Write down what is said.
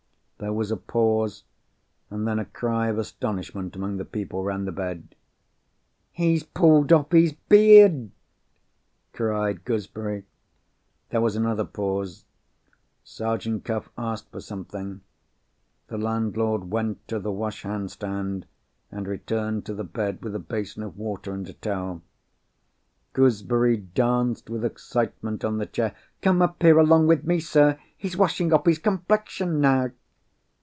There was a pause—and then a cry of astonishment among the people round the bed. "He's pulled off his beard!" cried Gooseberry. There was another pause—Sergeant Cuff asked for something. The landlord went to the wash hand stand, and returned to the bed with a basin of water and a towel. Gooseberry danced with excitement on the chair. "Come up here, along with me, sir! He's washing off his complexion now!"